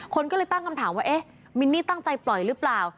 คนก็เลยตั้งคำถามว่าเอ๊ะมินนี่ตั้งใจปล่อยหรือเปล่า